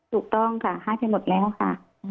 ถูกต้องค่ะให้ไปหมดแล้วค่ะ